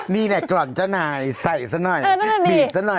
นี่แหละกร่อนเจ้านายใส่ซะหน่อยบีบซะหน่อย